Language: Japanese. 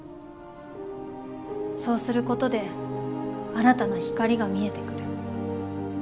そうすることで新たな光が見えてくる。